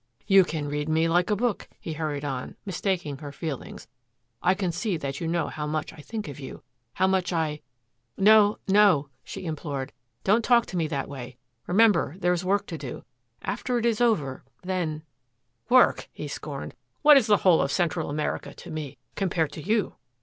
"You can read me like a book," he hurried on, mistaking her feelings. "I can see that you know how much I think of you how much I " "No, no," she implored. "Don't talk to me that way. Remember there is work to do. After it is over then " "Work!" he scorned. "What is the whole of Central America to me compared to you?"